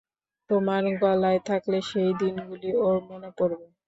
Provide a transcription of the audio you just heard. তোমার গলায় থাকলে সেই দিনগুলি ওঁর মনে পড়বে।